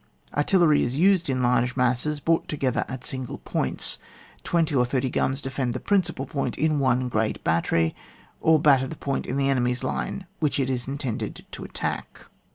Artillery is used in large masses brought together at single points. Twenty or thirty g^uns defend the principal point in one great battery, or batter the point in the enemy's line which it is intended to attack.